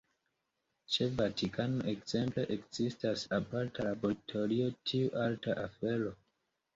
Ĉe Vatikano, ekzemple, ekzistas aparta laboratorio por tiu arta afero.